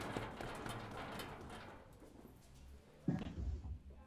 احمد پر خپل ناړ ټينګ ودرېد.